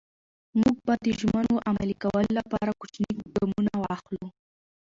موږ به د ژمنو عملي کولو لپاره کوچني ګامونه واخلو.